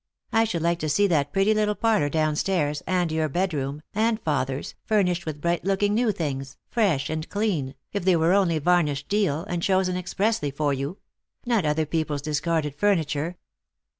I should like to see that pretty little parlour down stairs, and your bedroom, and father's, furnished with bright looking new things, fresh and clean, if they were only varnished deal, and chosen expressly for you ; not other people's discarded furniture."